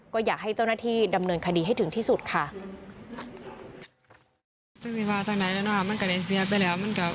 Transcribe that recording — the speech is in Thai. ก็อยากให้เจ้าหน้าที่ดำเนินคดีให้ถึงที่สุดค่ะ